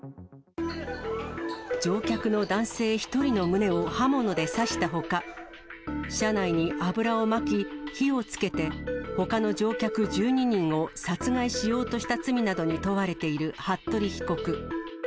乗客の男性１人の胸を刃物で刺したほか、車内に油をまき、火をつけて、ほかの乗客１２人を殺害しようとした罪などに問われている服部被告。